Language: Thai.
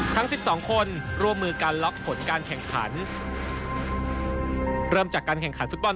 ทั้งสองคนร่วมมือการล็อกผลการแข่งขันเริ่มจากการแข่งขันฟุตบอล